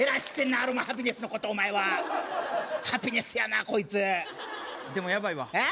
アロマハピネスのことお前はハピネスやなこいつでもヤバいわえっ？